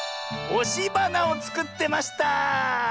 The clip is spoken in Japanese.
おしばなをつくってました！